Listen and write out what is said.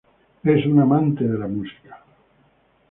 Es un amante de la música.